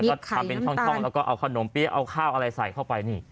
พริกข้าวพริกไข่น้ำตาลแล้วก็เอาขนมเปรี้ยวเอาข้าวอะไรใส่เข้าไป